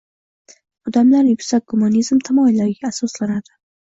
Odamlar yuksak gumanizm tamoyillariga asoslanadi